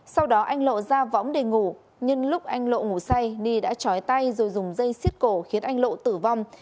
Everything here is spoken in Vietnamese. sau đó anh lộ ra võng để ngủ nhân lúc anh lộ ngủ say ni đã chói tay rồi dùng dây xiết cổ khiến anh lộ tử vong